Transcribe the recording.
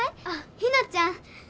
あっひなちゃん。